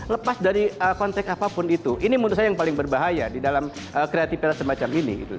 lepas dari konteks apapun itu ini menurut saya yang paling berbahaya di dalam kreativitas semacam ini